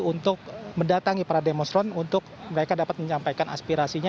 untuk mendatangi para demonstran untuk mereka dapat menyampaikan aspirasinya